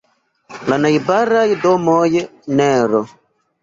La najbaraj domoj nr.